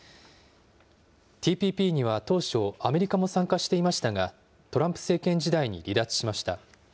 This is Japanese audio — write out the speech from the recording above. ＴＰＰには当初、アメリカも参加していましたが、トランプ政権時代に離脱しました。